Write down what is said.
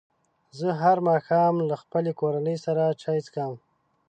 زه هر ماښام له خپلې کورنۍ سره چای څښم.